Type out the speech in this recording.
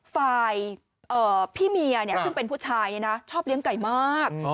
ฝ่ายพี่เมียซึ่งเป็นผู้ชายชอบเลี้ยงไก่มาก